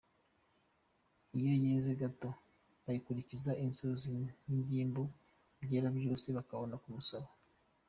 Iyo yeze gato, bayikurikiza inzuzi n’ingimbu ; byera byose, bakabona kumusaba.